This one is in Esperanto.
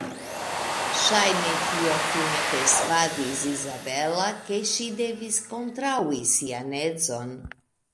Ŝajne tio fine persvadis Izabela ke ŝi devis kontraŭi sian edzon.